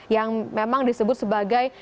yang memang disebut sebagai